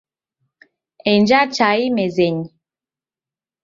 Enja chai mezenyi